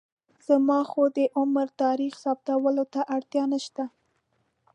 زما خو د عمر تاریخ ثابتولو ته اړتیا نشته.